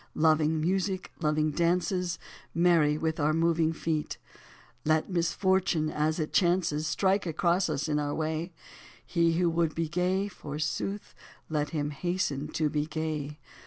Loving music, loving dances. Merry with our moving feet ! Let misfortune as it chances Strike across us on our way : He who would be gay, forsooth, Let him hasten to be gay.